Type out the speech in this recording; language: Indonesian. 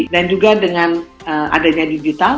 dan juga dengan adanya digital